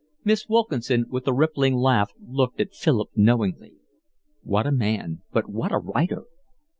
Miss Wilkinson with a rippling laugh looked at Philip knowingly. What a man, but what a writer!